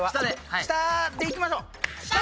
下でいきましょう。